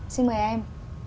xin mời em